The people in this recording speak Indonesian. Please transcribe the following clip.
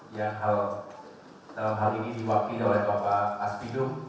yang dalam hal ini diwakili oleh bapak astidur